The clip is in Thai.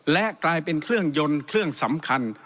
และกลายเป็นเครื่องยนต์เครื่องสำคัญ